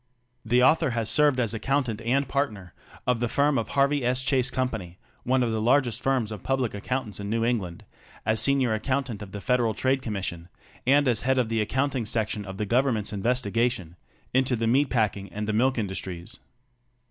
The author has served as accountant and partner of the firm of Harvey S. Chase Company, one of the largest firms of public accountants in New England; as senior accountant of the Federal Trade Commission, and as head of the accounting section of the Government's investigation into the meat pack ing and the milk industries.